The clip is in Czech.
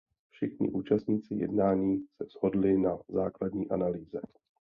Všichni účastníci jednání se shodli na základní analýze.